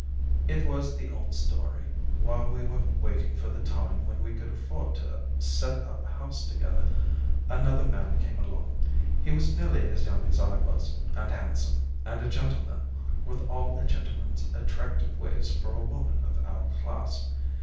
It was the old story. While we were waiting for the time when we could afford to set up house together, another man came along. He was nearly as young as I was, and handsome, and a gentleman, with all a gentleman's attractive ways for a woman of our class.